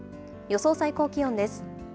予想最高気温です。